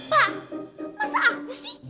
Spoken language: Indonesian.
pak masa aku sih